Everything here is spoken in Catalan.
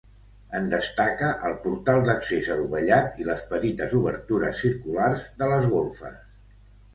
En destaca el portal d'accés adovellat i les petites obertures circulars de les golfes.